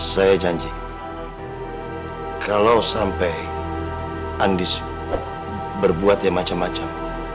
saya janji kalau sampai andis berbuat ya macam macam